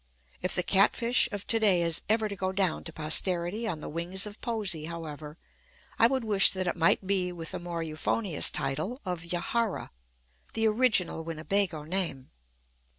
If the Catfish of to day is ever to go down to posterity on the wings of poesy, however, I would wish that it might be with the more euphonious title of "Yahara," the original Winnebago name.